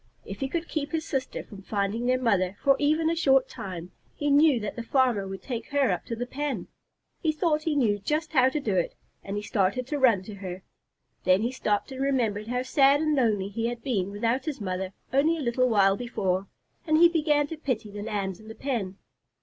If he could keep his sister from finding their mother for even a short time, he knew that the farmer would take her up to the pen. He thought he knew just how to do it, and he started to run to her. Then he stopped and remembered how sad and lonely he had been without his mother only a little while before, and he began to pity the Lambs in the pen.